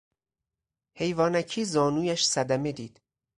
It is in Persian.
حیوانکی زانویش صدمه دید!